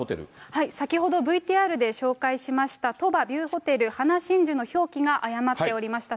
先ほど、ＶＴＲで紹介しました、鳥羽ビューホテル花真珠の表記が誤っておりました。